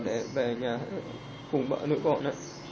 để về nhà cùng vợ nữ con